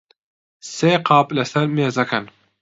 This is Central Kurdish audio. سێ قاپ لەسەر مێزەکەن.